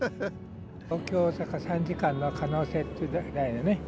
「東京大阪３時間の可能性」っていう題でね。